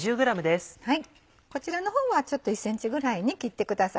こちらの方は１ｃｍぐらいに切ってください。